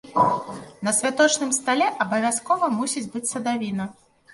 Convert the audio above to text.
На святочным стале абавязкова мусіць быць садавіна.